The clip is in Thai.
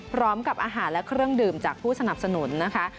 พร้อมกับอาหารและเครื่องดื่มจากผู้สนับสนุนนะคะ